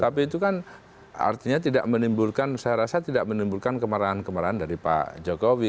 tapi itu kan artinya tidak menimbulkan saya rasa tidak menimbulkan kemarahan kemarahan dari pak jokowi